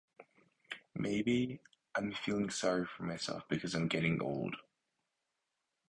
Maybe I am just feeling sorry for myself because I am getting old.